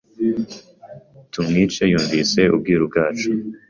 Tumwice yumvise ubwiru bwacu